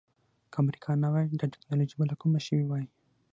که امریکا نه وای دا ټکنالوجي به له کومه شوې وای.